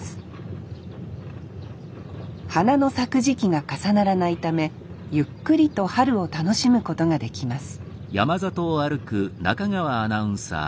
花の咲く時期が重ならないためゆっくりと春を楽しむことができます